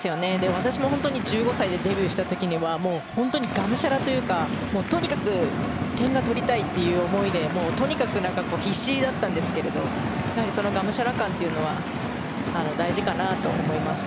私も本当に１５歳でデビューした時には本当に、がむしゃらというかとにかく点が取りたいという思いでとにかく必死だったんですけれどがむしゃら感というのは大事かなと思います。